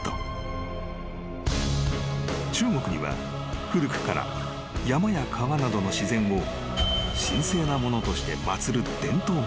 ［中国には古くから山や川などの自然を神聖なものとして祭る伝統がある］